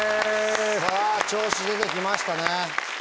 さぁ調子出てきましたね。